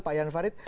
pak jan farid